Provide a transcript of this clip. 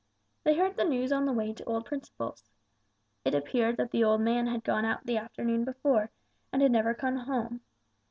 They heard the news on the way to old Principle's. It appeared that the old man had gone out the afternoon before, and had never come home.